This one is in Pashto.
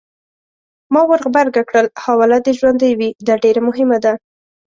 ما ورغبرګه کړل: حواله دې ژوندۍ وي! دا ډېره مهمه ده.